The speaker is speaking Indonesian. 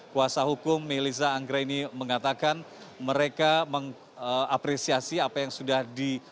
kuasa hukum melissa anggra ini mengatakan mereka mengapresiasi apa yang sudah dilakukan